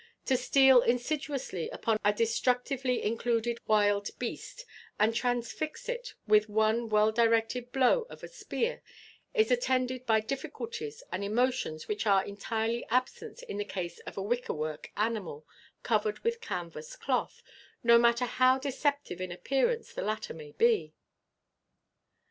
To steal insidiously upon a destructively included wild beast and transfix it with one well directed blow of a spear is attended by difficulties and emotions which are entirely absent in the case of a wickerwork animal covered with canvas cloth, no matter how deceptive in appearance the latter may be."